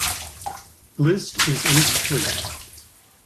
"List is Incomplete"